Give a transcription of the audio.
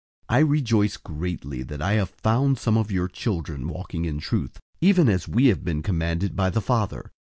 001:004 I rejoice greatly that I have found some of your children walking in truth, even as we have been commanded by the Father.